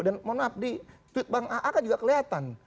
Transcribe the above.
dan mohon maaf di tweet bang a'aka juga kelihatan